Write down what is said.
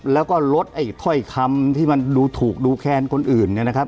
แล้วก็ลดค่อยคำที่มันดูถูกดูแค้นคนอื่น